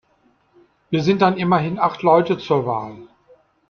Wir sind dann immerhin acht Leute zur Wahl.